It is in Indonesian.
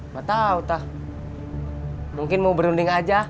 gak tau tah mungkin mau berunding aja